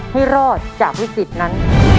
ให้รอดจากวิกฤตนั้น